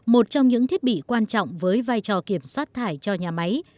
một trong những thiết bị quan trọng với vai trò kiểm soát thải cho nhà máy